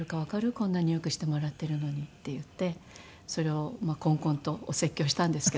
こんなに良くしてもらってるのに」って言ってそれを懇々とお説教したんですけど。